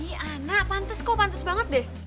nih ana pantes kok pantes banget deh